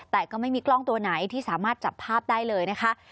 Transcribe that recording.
แต่ก็ไม่มีกล้องตัวไหนที่สามารถจับภาพได้เลยนะคะ